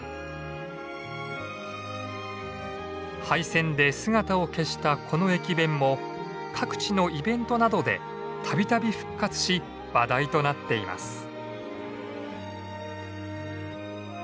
廃線で姿を消したこの駅弁も各地のイベントなどでたびたび復活し話題となっています。